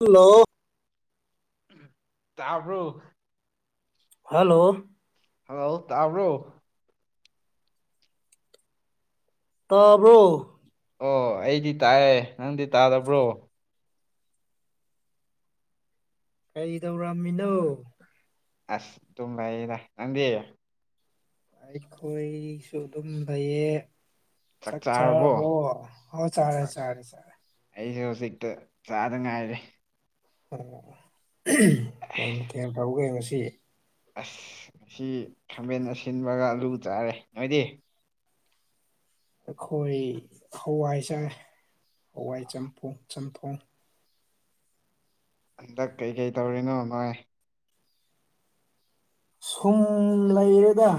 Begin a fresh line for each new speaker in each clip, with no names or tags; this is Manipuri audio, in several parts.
ꯍꯜꯂꯣ
ꯇꯔꯕꯔ
ꯍꯜꯂꯣ
ꯍꯜꯂꯣ ꯇꯥꯕ꯭ꯔꯨ
ꯇꯥꯕ꯭ꯔꯣ
ꯑꯣ ꯑꯩꯗꯤ ꯇꯥꯏꯑꯦ ꯅꯪꯗꯤ ꯇꯥꯗꯕ꯭ꯔꯣ
ꯀꯩ ꯇꯧꯔꯝꯃꯤꯅꯣ
ꯑꯁ ꯇ ꯂꯗ ꯅꯗꯤꯑ
ꯑꯩꯈꯣꯏꯁꯨ ꯑꯗꯨꯝ ꯐꯩꯌꯦ
ꯆꯥꯛ
ꯆꯠ
ꯆꯥꯔꯕꯣ
ꯆꯔꯣ ꯍꯥꯎ ꯆꯔꯦ ꯆꯔꯦ ꯆꯔꯦ
ꯁꯤꯛꯇ ꯆꯥꯗ ꯉꯥꯏꯔꯦ
ꯑꯣ ꯀꯩ ꯃꯊꯦꯜ ꯐꯥꯎꯒꯦ ꯉꯁꯤ
ꯑꯁ ꯉ ꯈꯥꯝꯕꯦꯟ ꯑꯁꯤꯟꯕꯒꯂꯨ ꯆꯥꯔꯦ ꯅꯣꯏꯗꯤ
ꯑꯩꯈꯣꯏ ꯍꯋꯥꯏꯁꯥꯏ ꯍꯋꯥꯏ ꯆꯝꯐꯣꯡ
ꯍꯟꯗꯛ ꯀꯩꯀꯩ ꯇꯧꯔꯤꯅꯣ ꯅꯣꯏ
ꯁꯨꯝ ꯂꯩꯔꯦꯗ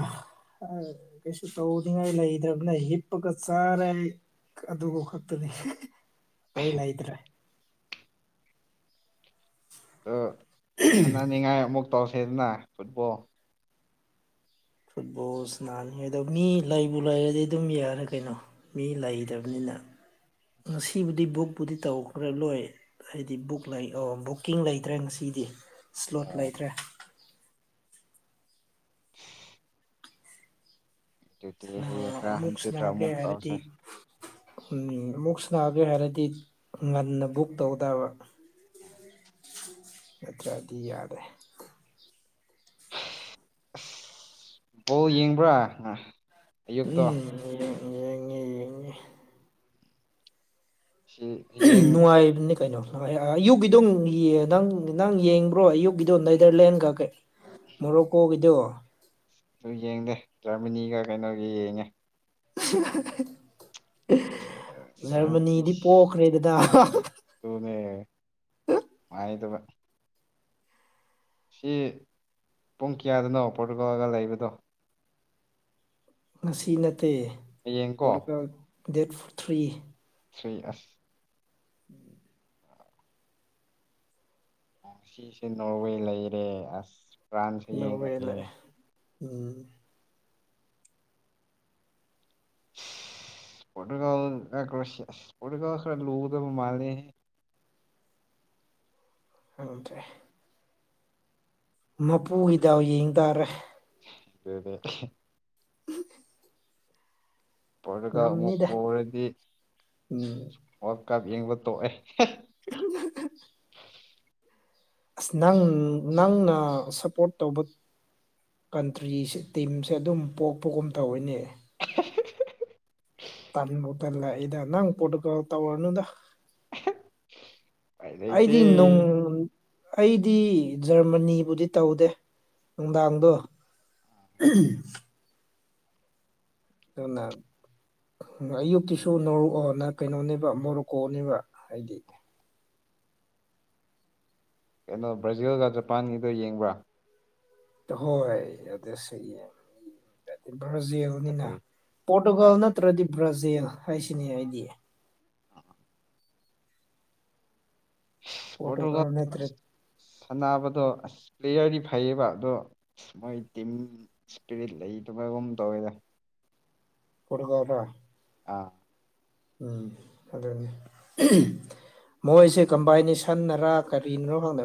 ꯀꯩꯁꯨ ꯇꯧꯅꯤꯡꯉꯥꯏ ꯂꯩꯇꯕꯅ ꯍꯤꯞꯄꯒ ꯆꯥꯔꯦ ꯑꯗꯨꯕꯨ ꯈꯛꯇꯗꯤ ꯀꯔꯤ ꯂꯩꯇ꯭ꯔꯦ
ꯑ ꯁꯥꯟꯅꯅꯤꯡꯉꯥꯏ ꯑꯃꯨꯛ ꯇꯧꯁꯦꯗꯅ ꯐꯨꯠꯕꯣꯜ
ꯐꯨꯠꯕꯣꯜ ꯁꯤꯅꯥꯅꯤ ꯑꯗꯣ ꯃꯤ ꯂꯩꯕꯨ ꯂꯩꯔꯗꯤ ꯑꯗꯨꯝ ꯌꯥꯔꯦ ꯀꯩꯅꯣ ꯃꯤ ꯂꯩꯇꯕꯅꯤꯅ
[inaudible]
ꯉꯁꯤꯕꯨꯗꯤ ꯕꯨꯛꯄꯨꯗꯤ ꯇꯧꯈ꯭ꯔ ꯂꯣꯏ ꯍꯥꯏꯗꯤ ꯕꯨꯛ ꯑꯣ ꯕꯨꯛꯀꯤꯡ ꯂꯩꯇ꯭ꯔꯥ ꯉꯁꯤ ꯑꯩꯗꯤ ꯁ꯭ꯂꯣꯠ
ꯑꯣ
ꯂꯩꯇ꯭ꯔꯦ
[inaudible] ꯑꯗꯨꯗꯤ
ꯁ
ꯍꯌꯦꯡꯔꯥ
ꯑꯃꯨꯛ
ꯍꯪꯆꯤꯠꯔꯥ
ꯁꯅꯥꯒꯦ
ꯑꯃꯨꯛ ꯇꯧꯁꯦ
ꯍꯥꯏꯕꯗꯤ ꯎꯝ ꯃꯨꯛ ꯁꯅꯥꯒꯦ ꯍꯥꯏꯔꯗꯤ ꯉꯟꯅ ꯕꯨꯛ ꯇꯧꯗꯕ ꯅꯠꯇ꯭ꯔꯗꯤ ꯌꯥꯗꯦ
ꯑꯁ ꯕꯣ ꯌꯦꯡꯕ꯭ꯔꯥ ꯑꯌꯨꯛꯇꯣ
ꯎꯝ ꯌꯦꯡꯉꯤ ꯌꯦꯡꯉ
ꯁꯤ ꯍꯌꯦꯡ
ꯅꯨꯡꯉꯥꯏꯕꯅꯤ ꯀꯩꯅꯣ ꯑꯌꯨꯛꯀꯤꯗꯣ ꯅꯪ ꯅꯪ ꯌꯦꯡꯕ꯭ꯔꯣ ꯑꯌꯨꯛꯀꯤꯗꯣ ꯅꯦꯗꯔꯂꯦꯟꯒ ꯀꯩ ꯃꯣꯔꯣꯛꯀꯣꯒꯤꯗ
ꯑꯗꯨ ꯌꯦꯡꯗꯦ ꯖꯔꯃꯤꯅꯤꯒ ꯀꯩꯅꯣꯒꯤ ꯌꯦꯡꯉꯦ
[inaudible]
ꯖꯔꯃꯅꯤ
ꯖꯔꯃꯅꯤꯗꯤ ꯄꯣꯛꯈ꯭ꯔꯦꯗꯅ
ꯑꯩꯗꯨ ꯁꯤ ꯄꯨꯡ ꯀꯌꯥꯗꯅꯣ ꯄꯣꯔꯇꯨꯒꯣꯜꯒ ꯂꯩꯕꯗꯣ
ꯉꯁꯤ ꯅꯠꯇꯦ ꯄ
ꯍꯌꯦꯡꯀꯣ
ꯗꯦꯠ ꯊ꯭ꯔꯤ
ꯁ꯭ꯔꯤ ꯑꯁ
ꯎꯝ
ꯁꯤꯁꯦ ꯅꯣꯔꯋꯦ ꯂꯩꯔꯦ ꯑꯁ ꯐ꯭ꯔꯥꯟꯁꯁ
ꯅꯣꯔꯋꯦ
ꯌꯦꯡꯂꯡꯑꯦ
ꯂꯥꯛꯑꯦ ꯎꯝ
[inaudible] ꯐꯣꯣꯀ꯭ꯔꯣ ꯈ ꯂꯗꯃꯥꯦꯦ
ꯑ ꯇ ꯃꯄꯨꯒꯤꯗꯎ ꯌꯦꯡ ꯇꯥꯔꯦ
ꯑꯗꯨꯗꯗ ꯄꯨꯔꯒ ꯑꯃꯨꯛ
ꯉꯝꯅꯤꯗ
ꯄꯨꯔꯗꯤ
ꯎꯝ
ꯀꯥꯞ ꯌꯦꯡꯕ ꯇꯣꯛꯑꯦ
[inaudible] ꯑꯁ ꯅꯪ ꯅꯪꯅ ꯁꯞꯄꯣꯔꯠ ꯇꯧꯕ ꯀꯟꯇ꯭ꯔꯤꯁ ꯇꯤꯝꯁꯦ ꯑꯗꯨꯝ ꯄꯣꯛꯄꯒꯨꯝ ꯇꯧꯋꯤꯅꯦ
[inaudible]
ꯇꯟꯃꯗꯂ ꯏ ꯅꯪ ꯄꯇꯀ ꯇ ꯋꯥꯔꯅꯨꯗ
ꯎꯄꯥꯏ ꯂꯩꯇꯦ
ꯑꯩꯗꯤ ꯑꯗꯨ ꯑꯩꯗꯤ ꯖꯔꯃꯅꯤꯕꯨꯗꯤ ꯇꯧꯗꯦ ꯅꯨꯡꯗꯥꯡꯗꯣ [inaudible] ꯑꯅ ꯑꯌꯨꯛꯇꯀꯤꯤꯁꯨ ꯅ ꯀꯩꯅꯣꯅꯦꯕ ꯃꯣꯔꯣꯛꯀꯣꯅꯦꯕ ꯍꯥꯏꯗꯤ
ꯀꯩꯅꯣ ꯕ꯭ꯔꯥꯖꯤꯜꯒ ꯖꯄꯥꯟꯒꯤꯗꯣ ꯌꯦꯡꯕ꯭ꯔꯥ
ꯍꯣꯏ ꯑꯗ ꯁꯔꯤ ꯕ꯭ꯔꯥꯖꯤꯦꯜꯅꯤꯅ
ꯐꯖꯩ
ꯄꯣꯔꯇꯨꯒꯥꯜ ꯅꯠꯇ꯭ꯔꯗꯤ ꯕ꯭ꯔꯥꯖꯤꯦꯜ ꯍꯥꯏꯁꯤꯅꯦ ꯑꯩꯗꯤ
ꯑ ꯄꯣꯔꯇꯨꯒꯜ ꯁꯥꯟꯅꯕꯗꯣ ꯄ꯭ꯂꯦꯌꯔꯗꯤ ꯐꯩꯌꯦꯕ ꯑꯗꯣ ꯃꯣꯏ ꯇꯤꯝ ꯏꯁꯄꯤꯔꯤꯠ ꯂꯩꯗꯨꯃꯒꯨꯝ ꯇꯧꯋꯦꯗ
ꯍꯠꯀꯗ
ꯑꯥ
ꯎꯝ ꯑꯗꯨꯅꯤ ꯃꯣꯏꯁꯦ ꯀꯝꯕꯥꯏꯟꯁꯟꯅꯔꯥ ꯀꯔꯤꯅꯣ ꯈꯪꯅ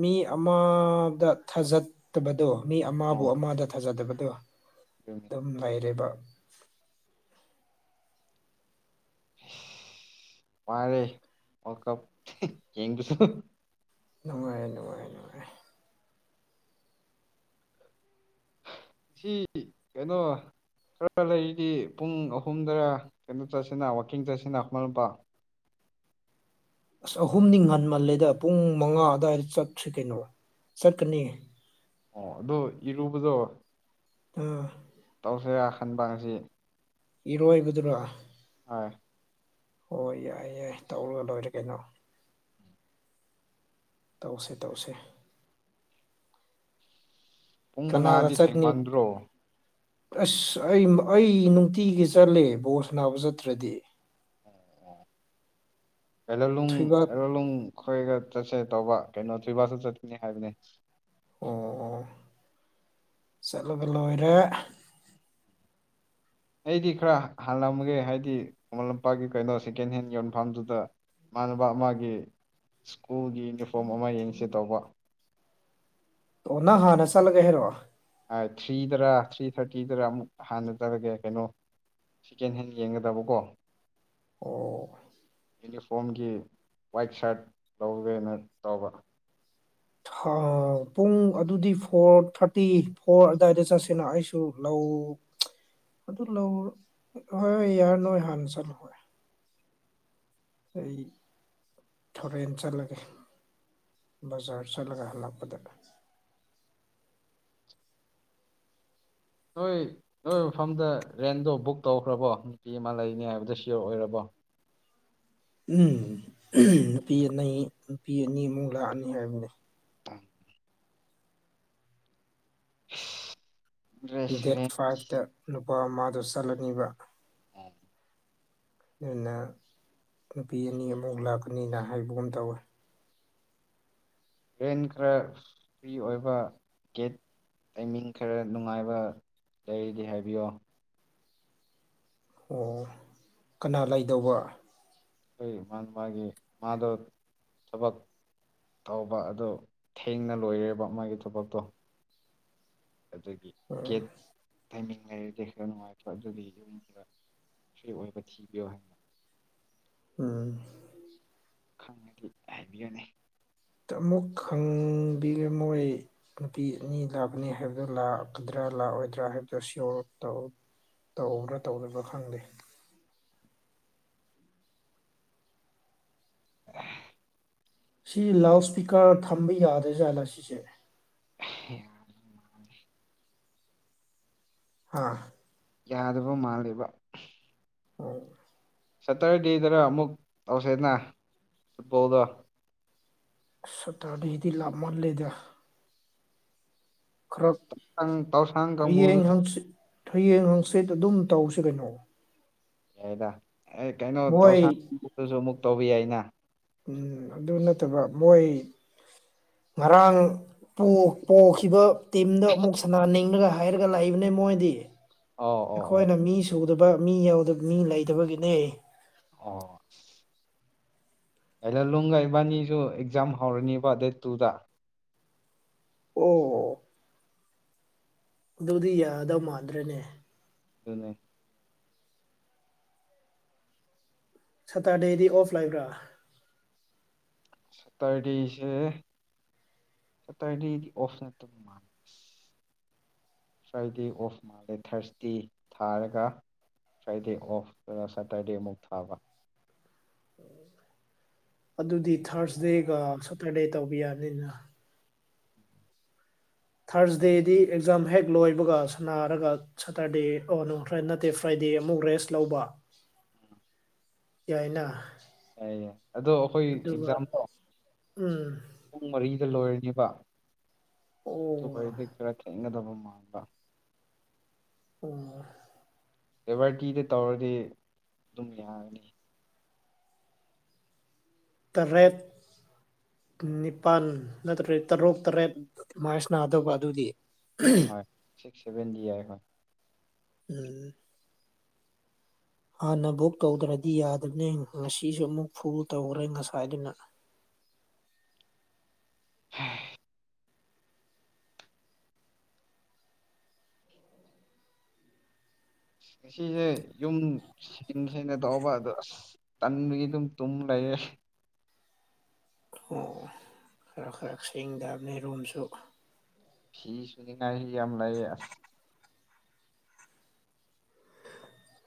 ꯃꯤ ꯑꯃꯗ ꯊꯥꯖꯗꯕꯗꯣ ꯃꯤ ꯑꯃꯕꯨ
ꯑꯥ
ꯑꯃꯗ ꯊꯥꯖꯗꯕꯗꯣ
ꯑꯗꯨꯅꯤ
ꯑꯗꯨꯝ ꯂꯩꯔꯦꯕ [unintelligible]
ꯄꯥꯏꯔꯦ ꯋꯥꯔ ꯀꯞ ꯌꯦꯡꯕꯤꯁꯨ
ꯅꯨꯡꯉꯥꯏ ꯅꯨꯡꯉꯥꯏ ꯅꯨꯡꯉꯥꯏ
ꯁꯤ ꯀꯩꯅꯣ ꯈꯔ ꯂꯩꯔꯤꯗꯤ ꯄꯨꯡ ꯑꯍꯨꯝꯗꯔ ꯀꯩꯅꯣ ꯆꯠꯁꯤꯅ ꯋꯀꯤꯡ ꯆꯠꯁꯤꯅ ꯍꯣꯠꯨꯄꯥ
ꯑꯁ ꯑꯍꯨꯝꯗꯤ ꯉꯟꯃꯜꯂꯦꯗ ꯄꯨꯡ ꯃꯉꯥ ꯑꯗꯨꯋꯥꯏꯗ ꯆꯠꯇ꯭ꯔꯤ ꯀꯩꯅꯣ ꯁꯀꯅꯤ
ꯑꯣ ꯑꯗꯨꯗꯣ ꯏꯔꯨꯕꯗꯣ
ꯑꯥ
ꯁꯦ ꯈꯟꯕꯁꯤ
ꯏꯔꯣꯏꯒꯗꯔꯥ
ꯍꯣꯏ
ꯍꯣꯏ ꯌꯥꯏ ꯌꯥꯏ ꯇꯧꯔꯒ ꯂꯣꯏꯔꯦ ꯀꯩꯅꯣ ꯇꯧꯁꯦ ꯇꯧꯁꯦ
ꯄꯨꯡ
ꯀꯅꯥ
ꯃꯉꯥꯗꯤ
ꯋꯥꯆꯠꯅꯤ
ꯊꯦꯡꯃꯟꯗ꯭ꯔꯣ
ꯑꯁ ꯑꯩ ꯑꯩ ꯅꯨꯡꯇꯤꯒꯤ ꯆꯠꯂꯦ ꯕꯣꯁ ꯅꯥꯕ ꯆꯠꯇ꯭ꯔꯗꯤ
ꯑꯦꯂ ꯂ
ꯊꯣꯏꯕꯥꯠ
ꯑꯦꯂ ꯂ ꯑꯩꯈꯣꯏꯒ ꯆꯠꯁꯦ ꯇꯧꯕ ꯀꯩꯅꯣ ꯊ꯭ꯣꯏꯕꯥꯥꯛꯁꯨ ꯆꯠꯈꯤꯅꯤ ꯍꯥꯏꯕꯅꯦ
ꯑꯣ ꯑꯣ ꯆꯠꯂꯒ ꯂꯣꯏꯔꯦ
ꯑꯩꯗꯤ ꯈꯔ ꯍꯜꯂꯝꯒꯦ ꯍꯥꯏꯗꯤ ꯃꯃꯟ ꯂꯝꯄꯥꯛꯀꯤ ꯀꯩꯅꯣ ꯁꯦꯀꯦꯟ ꯍꯦꯟ ꯌꯣꯟꯐꯝꯥꯗꯨꯗ ꯏꯃꯥꯟꯅꯕ ꯑꯃꯒꯤ ꯁꯀꯨꯜꯒꯤ ꯌꯨꯅꯤꯐꯣꯔꯝ ꯑꯃ ꯌꯦꯡꯁꯤ ꯇꯧꯕ
ꯑꯣꯅ ꯍꯥꯟꯅ ꯆꯠꯂꯒ ꯍꯥꯏꯔꯛꯑꯣ
ꯊ꯭ꯔꯤꯗꯔꯥ ꯊ꯭ꯔꯤ ꯊꯥꯔꯇꯤꯗꯔ ꯑꯃꯨꯛ ꯍꯥꯟꯅꯖꯔꯒꯦ ꯀꯩꯅꯣ ꯁꯦꯀꯦꯟ ꯍꯦꯟ ꯌꯦꯡꯒꯗꯕꯀꯣ
ꯑꯣ
ꯌꯨꯅꯤꯐꯣꯔꯝꯒꯤ ꯋꯥꯏꯠ ꯁꯥꯔꯠ ꯂꯧꯒꯦꯅ ꯇꯧꯕ
ꯄꯨꯡ ꯑꯗꯨꯗꯤ ꯐꯣꯔ ꯊꯥꯔꯇꯤ ꯐꯣꯔ ꯑꯗꯨꯋꯥꯏꯗ ꯆꯠꯁꯦꯅ ꯑꯩꯁꯨ ꯂꯧ ꯑꯗꯨ ꯂꯧ ꯍꯣꯏꯣꯏ ꯌꯥꯔ ꯅꯣꯏ ꯍꯥꯟꯅ ꯆꯜꯂꯨ ꯍꯣꯏ ꯑꯩ ꯊꯣꯔꯦꯟ ꯆꯠꯂꯒꯦ ꯖꯔ ꯆꯠꯂꯒ ꯍꯥꯂꯞꯗ
ꯅꯣꯏ ꯅꯣꯏ ꯃꯐꯝꯗ ꯔꯦꯟꯗꯣ ꯕꯨꯛ ꯇꯧꯈ꯭ꯔꯕꯣ ꯅꯨꯄꯤ ꯑꯃ ꯂꯩꯅꯤ ꯍꯥꯏꯕꯗ ꯁꯤꯌꯣꯔ ꯑꯣꯏꯔꯕꯣ
ꯎꯝ ꯅꯨꯄꯤ ꯑꯅꯤ ꯅꯨꯄꯤ ꯑꯅꯤ ꯑꯃꯨꯛ ꯂꯥꯛꯑꯅꯤ ꯍꯥꯏꯕꯅꯤ
ꯑ [inaudible]
ꯗꯦꯠ ꯐꯥꯏꯚꯇ ꯅꯨꯄꯥ ꯑꯃꯗꯨ ꯆꯠꯂꯅꯤꯕ ꯑꯗꯨꯅ ꯅꯨꯄꯤ ꯑꯅꯤ ꯑꯃꯨ ꯂꯥꯛꯀꯅꯤꯅ ꯍꯥꯏꯕꯒꯨꯝ ꯇꯧꯋꯦ
ꯔ꯭ꯔꯦꯟ ꯈꯔ ꯐ꯭ꯔꯤ ꯑꯣꯏꯕ ꯇꯀꯦꯠ ꯇꯥꯏꯃꯤꯡ ꯈꯔ ꯅꯨꯡꯉꯥꯏꯕ ꯂꯩꯔꯤꯗꯤ ꯍꯥꯏꯕꯤꯌꯣ
ꯑꯣ ꯀꯅꯥ ꯂꯩꯗꯧꯕ
ꯑꯩꯈ ꯃꯥ ꯃꯥꯒꯤ ꯃꯥꯗ ꯊꯕꯛ ꯇꯧꯕ ꯑꯗꯨ ꯊꯦꯡꯅ ꯂꯣꯏꯔꯦꯕ ꯃꯥꯒꯤ ꯊꯕꯛꯇꯣ ꯑꯗꯨꯒꯤ
ꯎꯝ
ꯒꯦꯠ ꯇꯥꯏꯃꯤꯡ ꯅꯨꯡꯉꯥꯏꯔꯗꯗꯤ ꯈꯔ ꯅꯨꯡꯉꯥꯏꯇꯣ ꯑꯗꯨꯗꯤ ꯌꯨꯝꯗ ꯐ꯭ꯔꯤ ꯑꯣꯏꯕ ꯊꯤꯕꯤꯌꯣ ꯍꯥꯏꯅ
ꯎꯝ
ꯈꯪꯉꯗꯤ ꯍꯥꯏꯕꯤꯒꯅꯤ
ꯑꯃꯨꯛ ꯈꯪꯕꯤꯒ ꯃꯣꯏ ꯅꯨꯄꯤ ꯑꯅꯤ ꯂꯥꯛꯕꯅꯤ ꯍꯥꯏꯕꯗꯨꯣ ꯂꯥꯛꯀꯗ꯭ꯔꯥ ꯂꯥꯛꯑꯣꯏꯗ꯭ꯔꯥ ꯍꯥꯏꯕꯗꯨꯣ ꯁꯤꯌꯣꯔ ꯇꯧꯕ꯭ꯔꯥ ꯇꯧꯗꯅꯕ ꯈꯪꯗꯦ ꯁꯤ ꯂꯥꯎꯠ ꯏꯁꯄꯤꯀꯔ ꯊꯝꯕ ꯌꯥꯗ꯭ꯔꯦꯖꯥꯠꯂꯥ ꯁꯤꯁꯦ
ꯌꯥꯅ ꯃꯥꯅꯤ
ꯑꯥ
ꯌꯥꯗꯕ ꯃꯥꯜꯂꯤꯕ
ꯑꯣ
ꯁꯇꯔꯗꯦꯗꯅ ꯑꯃꯨꯛ ꯑꯧꯁꯦꯅ ꯐꯨꯠꯕꯣꯜꯗꯣ
ꯁꯇꯥꯔꯗꯤꯁꯤꯗꯤ ꯂꯥꯞ ꯃꯥꯜꯂꯦꯗ ꯈꯔꯛ
ꯇꯥꯡ ꯇꯧꯁꯥꯡ ꯀꯥꯡꯕꯨꯗꯨ
ꯌꯦꯡꯉꯛꯁꯤ ꯍꯌꯦꯡ ꯍꯪꯆꯤꯠ ꯑꯗꯨꯝ ꯇꯧꯁꯤ ꯀꯩꯅꯣ
ꯗ ꯑꯦ ꯀꯩꯅꯣ
ꯃꯣꯏ
ꯇꯧꯁꯥꯡꯕꯗꯨꯁꯨ ꯑꯃꯨꯛ ꯇꯧꯕꯤ ꯑꯩꯅ
ꯎꯝ ꯑꯗꯨ ꯅꯠꯇꯕ ꯃꯣꯏ ꯉꯔꯥꯡ ꯄꯣꯛꯈꯤꯕ ꯇꯤꯝꯗꯣ ꯑꯃꯨꯛ ꯁꯅꯥꯅꯤꯡꯂꯒ ꯍꯥꯏꯔꯒ ꯂꯥꯛꯏꯕꯅꯦ ꯃꯣꯏꯗꯤ
ꯑ ꯑꯣ ꯑꯣ
ꯑꯩꯈꯣꯏꯅ ꯃꯤ ꯁꯨꯗꯕ ꯃꯤ ꯌꯥꯎꯗꯕ ꯃꯤ ꯂꯩꯇꯕꯒꯤꯅꯦ
ꯑ ꯍꯂꯣ ꯂꯅꯨꯡꯒ ꯏꯕꯥꯅꯤꯁꯨ ꯑꯦꯛꯖꯥꯝ ꯍꯧꯔꯅꯤꯕ ꯗꯦꯠ ꯇꯨꯗ
ꯑꯣ ꯑꯗꯨꯗꯤ ꯌꯥꯗꯧ ꯃꯥꯟꯗ꯭ꯔꯦꯅꯦ
ꯑꯗꯨꯅꯦ
ꯁꯇꯔꯗꯦꯗꯤ ꯑꯣꯐ ꯂꯩꯥꯏꯕ꯭ꯔꯥ
ꯁꯇꯔꯇꯁꯦ ꯁ ꯇꯗꯤꯗꯤꯁꯅ ꯃꯥ ꯐ꯭ꯔꯥꯏꯗꯦ ꯑꯣꯐ ꯃꯥꯂꯦ ꯊꯔꯁꯗꯦ ꯊꯥꯔꯒ ꯐ꯭ꯔꯥꯏꯗꯦ ꯑꯣꯐꯇ ꯁꯦꯇꯔꯗꯦꯃꯨꯛ ꯊꯥꯕ
ꯑꯗꯨꯗꯤ ꯊꯥꯔꯁꯗꯦꯒ ꯁꯇꯔꯗꯦ ꯇꯧꯕ ꯌꯥꯅꯤꯅ ꯊꯥꯔꯁꯗꯦꯗꯤ ꯑꯦꯛꯖꯥꯝ ꯍꯦꯛ ꯂꯣꯏꯕꯒ ꯁꯥꯟꯅꯔꯒ ꯁꯇꯔꯗꯦ ꯑꯣ ꯅꯠꯇꯦ ꯐ꯭ꯔꯥꯏꯗꯦ ꯗꯦ ꯑꯃꯨꯛ ꯔꯦꯁ ꯂꯧꯕ
ꯎꯝ
ꯌꯥꯏꯅ
ꯌꯥꯏꯌꯦ ꯑꯗꯣ ꯑꯩꯈꯣꯏ
ꯑꯗꯨꯒ
ꯑꯦꯛꯖꯥꯝ ꯇꯧ
ꯎꯝ
ꯄꯨꯡ ꯃꯔꯤ ꯁꯤꯗ ꯂꯣꯏꯔꯈꯤꯕ
ꯑꯣ
ꯑꯗꯨ ꯑꯣꯏꯣꯏꯔꯗꯤ ꯈꯔ ꯊꯦꯡꯒꯗꯕ ꯗ
ꯑꯣ
ꯑꯦꯦꯚꯔꯇꯤꯗ ꯇꯧꯔꯗꯤ ꯑꯗꯨꯝ ꯌꯥꯒꯅꯤ
ꯇꯔꯦꯠ ꯅꯤꯄꯥꯜ ꯅꯠꯇ꯭ꯔ ꯇꯔꯨꯛ ꯇꯔꯦꯠ ꯃꯥꯏꯁ ꯅꯥꯗꯕ ꯑꯗꯨꯗꯤ ꯝ
ꯁꯤꯕꯦꯟꯗꯤ ꯌꯥꯥꯏ ꯍ
ꯎꯝ ꯍꯥꯟꯅ ꯕꯨꯛ ꯇꯧꯗ꯭ꯔꯗꯤ ꯌꯥꯗꯕꯅꯦ ꯉꯁꯤꯁꯨ ꯑꯃꯨꯛ ꯐꯨ ꯇꯧꯈꯔꯦ ꯉꯁꯥꯏꯗꯨꯅ
ꯎꯝ ꯁꯤꯁꯦ ꯌꯨꯝ ꯁꯤꯟ ꯁꯅ ꯇꯧꯕ ꯑꯗ ꯑꯁ ꯇꯟꯒꯤ ꯑꯗꯨꯝ ꯇꯨꯝ ꯂꯩ ꯐ
ꯑꯣ ꯈꯔ ꯈꯔ ꯁꯦꯡꯗꯕꯅꯤ ꯔꯨꯝꯝꯁꯨ
ꯐꯤ ꯁꯅꯤꯉ ꯍ ꯌꯥꯝ ꯂꯩꯌꯦ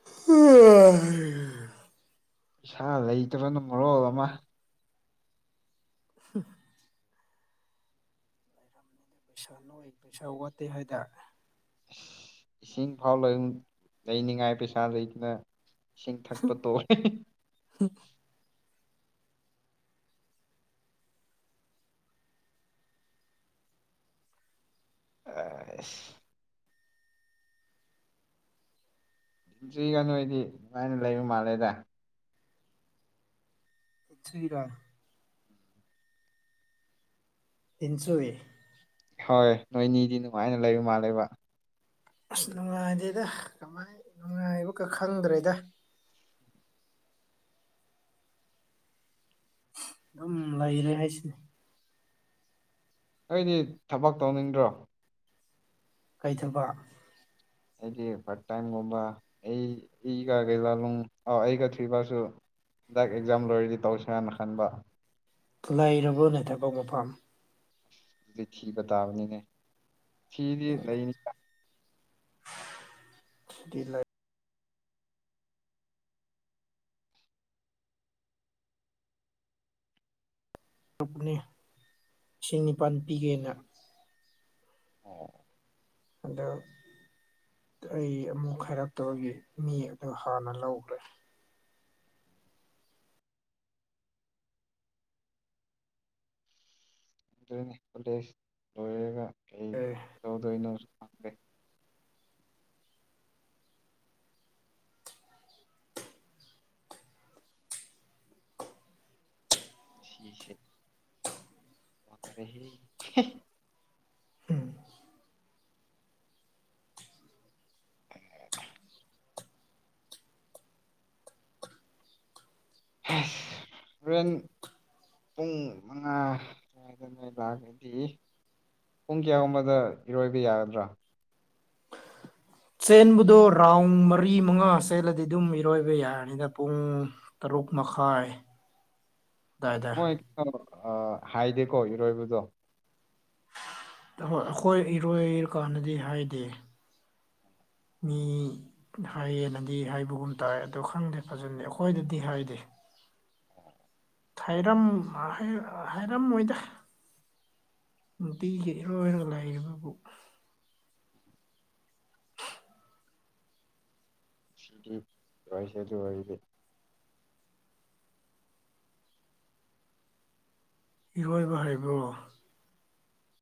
ꯑꯣ
ꯏꯁꯥ ꯂꯩꯇꯕꯅꯅꯨꯡ ꯃꯔꯣ ꯑꯃ
ꯁ ꯄꯩꯁꯥ ꯅꯣꯏ ꯄꯩꯁꯥ ꯋꯥꯠꯇꯦ ꯍꯥꯏꯗ
ꯏꯁꯤꯡ ꯐꯥꯎ ꯂ ꯂꯩꯅꯤꯡꯉꯥꯏ ꯄꯩꯁꯥ ꯂꯩꯇꯅ ꯏꯁꯤꯡ ꯊꯛꯄ ꯇꯣꯦ
ꯍ
ꯑ ꯆꯁꯤꯔꯤꯒꯅꯨꯗꯤ ꯑꯗꯨꯃꯥꯏꯅ ꯂꯩꯕ ꯃꯥꯜꯂꯦꯗ
ꯊꯔ ꯏꯁꯨꯋ
ꯍꯣꯏ ꯅꯣꯏ ꯅꯤꯗꯤ ꯅꯨꯡꯉꯥꯏꯅ ꯂꯩꯕꯨ ꯃꯥꯜꯂꯕ
ꯑꯥꯁ ꯅꯨꯡꯉꯥꯏꯗꯦꯗ ꯀꯃꯥꯏ ꯅꯨꯡꯉꯥꯏꯕꯒ ꯈꯪꯗ꯭ꯔꯦꯗ ꯑꯗꯨꯝ ꯂꯩꯔꯦ ꯍꯥꯏꯁꯤꯅꯦ
ꯑꯩꯗꯤ ꯊꯕꯛ ꯇꯧꯅꯤꯡꯗ꯭ꯔꯣ
ꯀꯩꯊꯕ
ꯑꯩꯒꯤ ꯐꯥꯔꯠ ꯇꯥꯏꯝꯒꯨꯝꯕ ꯑꯩꯒ ꯀꯩ ꯂꯥꯂꯨꯡ ꯑ ꯑꯩꯒ ꯊꯣꯏꯕꯁꯨ ꯍꯟꯗꯛ ꯑꯦꯛꯖꯥꯝ ꯂꯣꯏꯔꯗꯤ ꯇꯧꯁꯦ ꯍꯥꯏꯅ ꯈꯟꯕ
ꯂꯥꯏꯔꯕ ꯂꯩꯊꯕ ꯃꯐꯝ
ꯑꯗꯨꯗꯤ ꯊꯤꯕ ꯇꯥꯕꯅꯤꯅꯦ ꯐꯤꯗꯤ ꯂꯩꯅꯤ
ꯁꯤꯔꯤ ꯂꯩ ꯅꯦ ꯏꯁꯤꯡ ꯅꯤꯄꯥꯜ ꯄꯤꯒꯦꯅ
ꯑꯣ
ꯑꯗꯣ ꯑꯩ ꯑꯃꯨꯛ ꯍꯥꯏꯔꯛꯇꯒꯤ ꯃꯤ ꯑꯗꯨ ꯍꯥꯟꯅ ꯂꯧꯈ꯭ꯔꯦ
ꯪꯗꯣꯏꯅꯤꯂꯦꯖ ꯂꯣꯏꯔꯒ ꯑꯩ
ꯑꯦ
ꯇꯧꯗꯣꯏꯅꯣ ꯈꯪꯗꯦ ꯁꯤꯁꯦ [unintelligible]
ꯎꯝ
ꯑꯥꯁꯦꯟ ꯄꯨꯡ ꯃꯉꯥ ꯁ꯭ꯋꯥꯏꯗ ꯅ ꯂꯥꯛꯑꯒꯗꯤ ꯄꯨꯡ ꯀꯌꯥꯒꯨꯝꯕꯗ ꯏꯔꯣꯏꯕ ꯌꯥꯒꯗ꯭ꯔꯥ
ꯆꯦꯟꯕꯗꯣ ꯔꯥꯎꯟ ꯃꯔꯤ ꯃꯉꯥ ꯆꯦꯜꯂꯗꯤ ꯑꯗꯨꯝ ꯏꯔꯣꯏꯕ ꯌꯥꯔꯅꯤꯅ ꯄꯨꯡ ꯇꯔꯨꯛ ꯑꯣꯛ ꯃꯈꯥꯏ ꯑꯗꯨꯋꯥꯏꯗ
ꯃꯣꯏ ꯀꯩꯅꯣ ꯍꯥꯏꯗꯦꯀꯣ ꯏꯔꯣꯏꯕꯗꯣ
ꯑꯩꯈꯣꯏ ꯏꯔꯣꯏꯔꯀꯥꯟꯗꯗꯤ ꯍꯥꯏꯗꯦ ꯃꯤ ꯍꯥꯏꯌꯦꯅꯗꯤ ꯍꯥꯏꯕꯒꯨꯝ ꯇꯥꯏ ꯑꯣ ꯈꯪꯗꯦ ꯐꯖꯗꯦ ꯑꯩꯈꯣꯏꯗꯗꯤ ꯍꯥꯏꯗꯦ
ꯑꯣ
ꯍꯩꯔꯝ ꯍꯩ ꯍꯥꯏꯩꯔꯝ ꯃꯣꯏꯗ ꯅꯨꯡꯇꯤꯒꯤ ꯏꯔꯣꯏ ꯑꯣꯏꯅ ꯂꯥꯏꯔꯕꯕꯨ
ꯁꯤ ꯏꯁ ꯑꯗꯨ ꯋꯥꯔꯤꯏꯗꯤ
ꯏꯔꯣꯏꯕ ꯍꯥꯏꯕ꯭ꯔꯣ